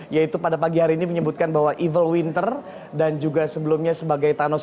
yaitu pada pagi hari ini menyebutkan bahwa evel winter dan juga sebelumnya sebagai thanos